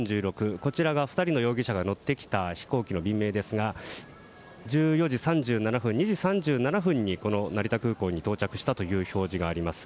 こちらが２人の容疑者が乗ってきた飛行機の便名ですが１４時３７分、２時３７分にこの成田空港に到着したという表示があります。